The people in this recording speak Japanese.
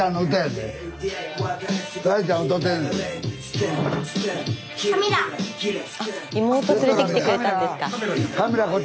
スタジオ妹連れてきてくれたんですか？